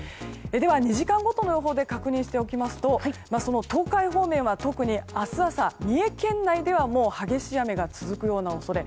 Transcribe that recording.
では、２時間ごとの予報で確認しておきますと東海方面は特に明日朝、三重県内では激しい雨が続くような恐れ。